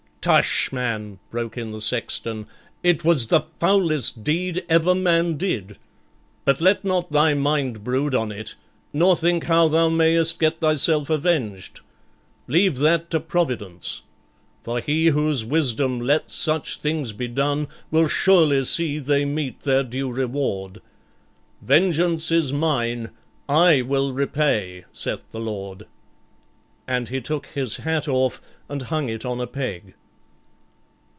'Tush, man!' broke in the sexton, 'it was the foulest deed ever man did; but let not thy mind brood on it, nor think how thou mayest get thyself avenged. Leave that to Providence; for He whose wisdom lets such things be done, will surely see they meet their due reward. "Vengeance is Mine; I will repay, saith the Lord".' And he took his hat off and hung it on a peg.